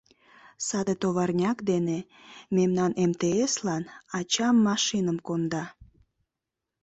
— Саде товарняк дене мемнан эмтеэслан ачам машиным конда...